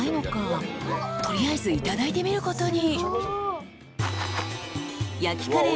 ［取りあえずいただいてみることに］